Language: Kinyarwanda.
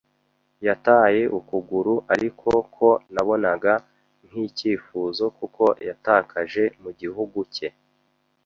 yataye ukuguru; ariko ko nabonaga nkicyifuzo, kuko yatakaje mugihugu cye